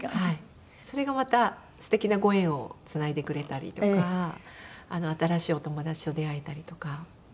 それがまた素敵なご縁をつないでくれたりとか新しいお友達と出会えたりとか。